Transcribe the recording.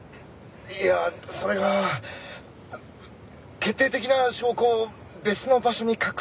いやそれが決定的な証拠を別の場所に隠してあるんだ。